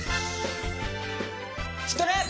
ストレッ！